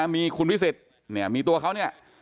มีคุณพิศิษฐ์มีตัวเขาเนี่ย